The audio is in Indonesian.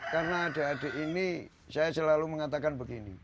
karena adik adik ini saya selalu mengatakan begini